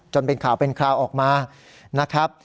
เป็นข่าวเป็นคราวออกมานะครับ